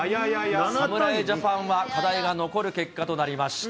侍ジャパンは課題が残る結果となりました。